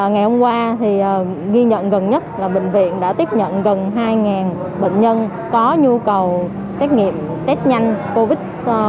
ngày hôm qua thì ghi nhận gần nhất là bệnh viện đã tiếp nhận gần hai bệnh nhân có nhu cầu xét nghiệm test nhanh covid một mươi chín